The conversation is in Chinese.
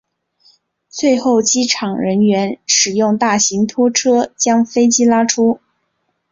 最后机场人员使用大型拖车将飞机拉出。